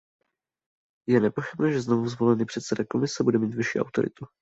Je nepochybné, že znovuzvolený předseda Komise bude mít vyšší autoritu.